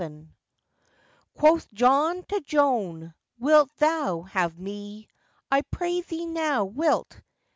] QUOTH John to Joan, wilt thou have me? I prythee now, wilt?